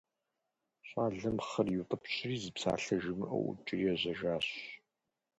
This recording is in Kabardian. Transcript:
Щӏалэм хъыр иутӏыпщри, зы псалъэ жимыӏэу, ӏукӏри ежьэжащ.